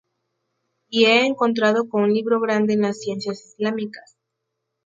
Y he encontrado con un libro grande en las ciencias islámicas.